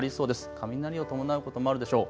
雷を伴うこともあるでしょう。